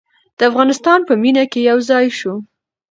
د افغانستان په مینه کې یو ځای شو.